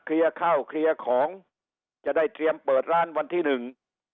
ข้าวเคลียร์ของจะได้เตรียมเปิดร้านวันที่หนึ่ง